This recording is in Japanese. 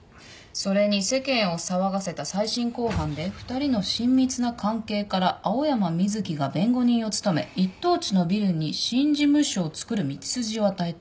それに世間を騒がせた再審公判で２人の親密な関係から青山瑞希が弁護人を務め一等地のビルに新事務所をつくる道筋を与えた。